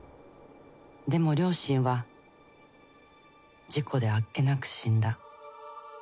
でも両親は事故であっけなく死んだ。